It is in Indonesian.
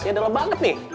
ini adalah banget nih